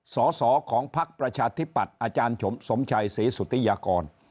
สอสอของพักประชาธิปัตย์อาจารย์สมชัยศรีสุธิยากร